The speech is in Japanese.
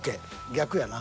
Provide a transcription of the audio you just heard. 逆やな。